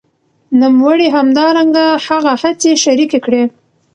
نوموړي همدرانګه هغه هڅي شریکي کړې